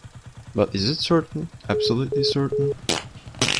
But is it certain — absolutely certain?